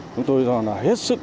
chúng tôi do là hết sức